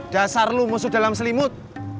dasar lu musuh dalam selimut